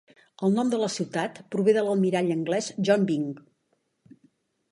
El nom de la ciutat prové de l'almirall anglès John Byng.